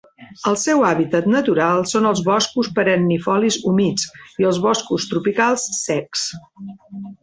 El seu hàbitat natural són els boscos perennifolis humits i els boscos tropicals secs.